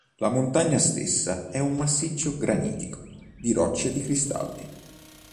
La montagna stessa è un massiccio granitico di rocce di cristalli.